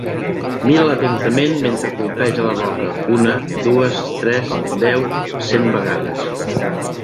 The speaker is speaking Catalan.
Mira'l atentament mentre colpeja la roca, una, dues, tres, deu, cent vegades.